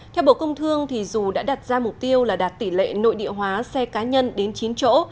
theo bộ công thương dù đã đặt ra mục tiêu là đạt tỷ lệ nội địa hóa xe cá nhân đến chín chỗ